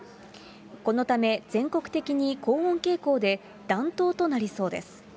このため全国的に高温傾向で、暖冬となりそうです。